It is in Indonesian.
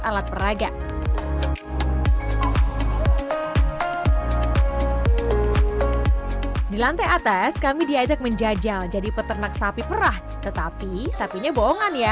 alat peraga di lantai atas kami diajak menjajal jadi peternak sapi perah tetapi sapinya bohongan ya